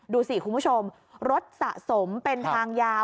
ดูสิคุณผู้ชมรถสะสมเป็นทางยาว